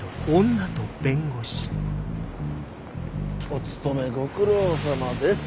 お勤めご苦労さまです。